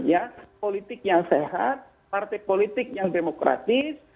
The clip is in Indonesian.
ya politik yang sehat partai politik yang demokratis